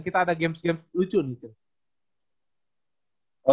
kita ada games games lucu nih chen